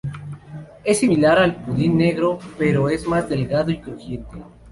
Es similar al pudín negro, pero es más delgado y crujiente.